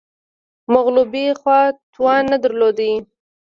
مغلوبې خوا توان نه درلود